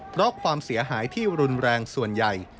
เพราะความเสียหายที่รุนแรงส่วนใหญ่